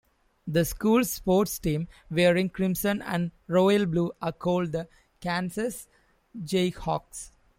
The school's sports teams, wearing crimson and royal blue, are called the Kansas Jayhawks.